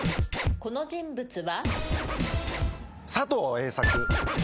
この人物は？